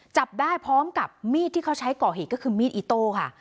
จับได้พร้อมกับมีดที่เขาใช้ก่อเหตุก็คือมีดอิโต้ค่ะ